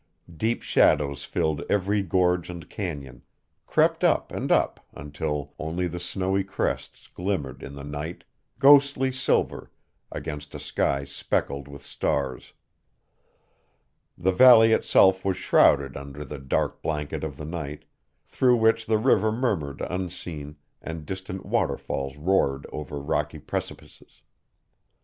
Deep shadows filled every gorge and canyon, crept up and up until only the snowy crests glimmered in the night, ghostly silver against a sky speckled with stars. The valley itself was shrouded under the dark blanket of the night, through which the river murmured unseen and distant waterfalls roared over rocky precipices.